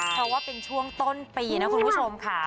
เพราะว่าเป็นช่วงต้นปีนะคุณผู้ชมค่ะ